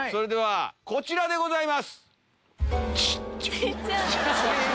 こちらでございます。